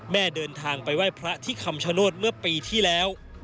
เดินทางไปไหว้พระที่คำชโนธเมื่อปีที่แล้ว